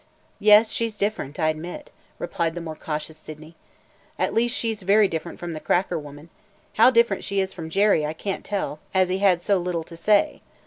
"Yes, she 's different, I admit," replied the more cautious Sydney; "at least, she 's very different from the cracker woman. How different she is from Jerry I can't tell, as he had so little to say.